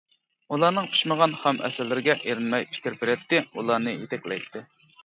ئۇلارنىڭ پىشمىغان، خام ئەسەرلىرىگە ئېرىنمەي پىكىر بېرەتتى، ئۇلارنى يېتەكلەيتتى.